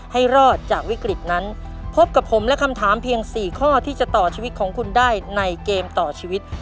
ให้รอดจากวิกฤตนั้นพบกับผมและคำถามเพียง๔ข้อที่จะต่อชีวิตของคุณได้ในเกมต่อชีวิต